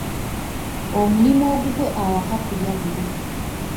Omulimu ogugwe awaka kulya buli.